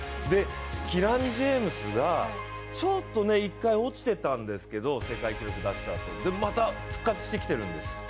キラニ・ジェームスが、ちょっと落ちたんですけど世界記録出したあとに、でもまた復活してきているんです。